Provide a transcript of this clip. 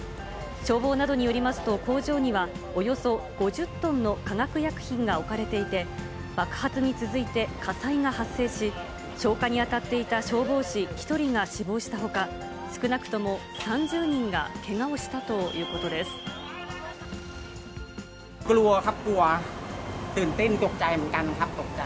消防などによりますと、工場にはおよそ５０トンの化学薬品が置かれていて、爆発に続いて、火災が発生し、消火に当たっていた消防士１人が死亡したほか、少なくとも３０人がけがをしたということです。